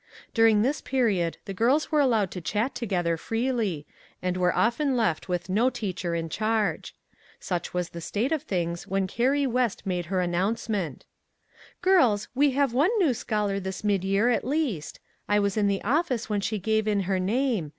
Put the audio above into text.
During this period the girls were allowed to chat together freely, and were often left with no teacher in charge. Such was the state of things when Carrie West made her announcement :" Girls, we have one new scholar this mid year, at least. I was in the office when she gave in her name.